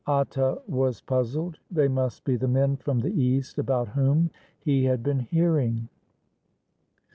Atta was puzzled. They must be the men from the east about whom he had been hearing.